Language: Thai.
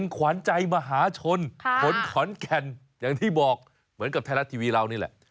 ขวานใจมหาชนคนขอนแก่นอย่างที่บอกเหมือนกับไทยรัฐทีวีเรานี่แหละ